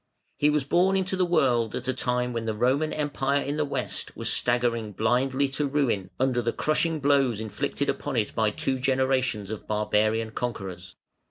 He was born into the world at the time when the Roman Empire in the West was staggering blindly to ruin, under the crushing blows inflicted upon it by two generations of barbarian conquerors.